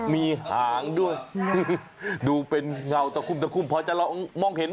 มีหางด้วยดูเป็นเงาตะคุ่มตะคุ่มพอจะมองเห็นไหม